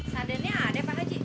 sadannya ada pak ji